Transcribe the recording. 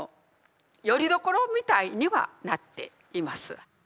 よりどころみたいにはなっています。